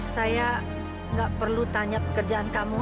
saya nggak perlu tanya pekerjaan kamu